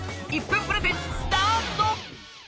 １分プレゼンスタート！